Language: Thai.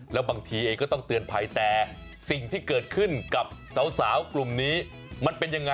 แล้วบางทีเองก็ต้องเตือนภัยแต่สิ่งที่เกิดขึ้นกับสาวกลุ่มนี้มันเป็นยังไง